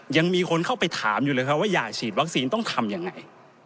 ยังมีคนเข้าไปถามอยู่เลยครับว่าอย่าฉีดวัคซีนต้องทำยังไง